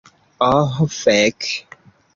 Oh fek'